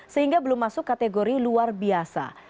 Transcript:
sehingga belum masuk kategori luar biasa